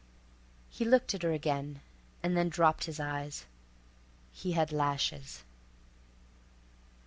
He looked at her again, and then dropped his eyes. He had lashes.